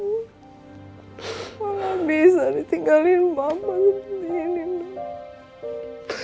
mama bisa ditinggalin mama sendiri nuh